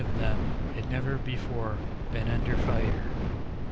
of them had never before been under fire.